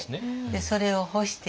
それを干している。